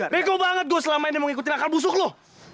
bego banget gua selama ini mau ngikutin akal busuk lu